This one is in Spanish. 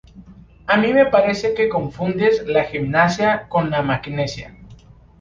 A mí me parece que confundes la gimnasia con la magnesia